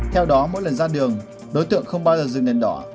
theo đó mỗi lần ra đường đối tượng không bao giờ dừng đèn đỏ